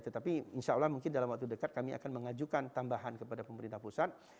tetapi insya allah mungkin dalam waktu dekat kami akan mengajukan tambahan kepada pemerintah pusat